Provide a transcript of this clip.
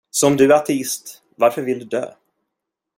Så om du är ateist, varför vill du dö?